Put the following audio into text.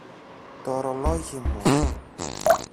Τ' ωρολόγι μου!